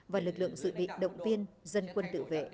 và lực lượng dự bị động viên dân quân tự vệ